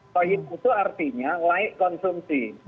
toyid itu artinya laik konsumsi